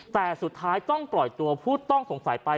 แต่สุดท้ายต้องปล่อยตัวผู้ต้องสงสัยไป